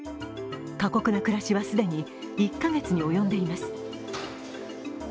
過酷な暮らしは既に１カ月に及んでいます。